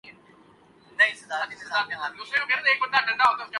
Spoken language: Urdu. شاید اسی میں سے کچھ بہتری نکل آئے۔